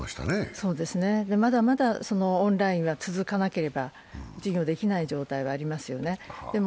そうですね、まだまだオンラインは続かなければ授業ができない状態はありますよね。